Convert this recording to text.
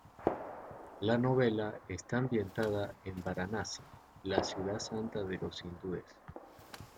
La novela está ambientada en Varanasi, la ciudad santa de los hindúes.